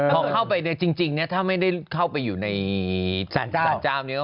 ถ้าเข้าไปจริงเนี่ยถ้าไม่ได้เข้าไปอยู่ในสถานศาสตร์